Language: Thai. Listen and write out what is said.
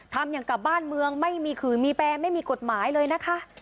ทำอย่างกับบ้านเมืองไม่มีขื่อมีแปรไม่มีกฎหมายเลยนะคะ